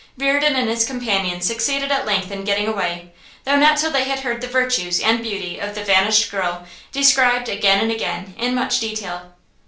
Reardon and his companion succeeded at length in getting away, though not till they had heard the virtues and beauty of the vanished girl described again and again in much detail.